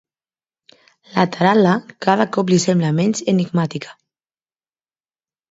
La taral·la cada cop li sembla menys enigmàtica.